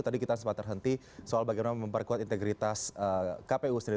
tadi kita sempat terhenti soal bagaimana memperkuat integritas kpu sendiri